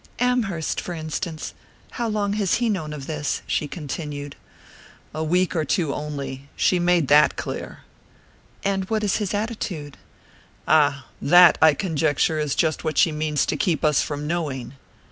"Amherst, for instance how long has he known of this?" she continued. "A week or two only she made that clear." "And what is his attitude?" "Ah that, I conjecture, is just what she means to keep us from knowing!"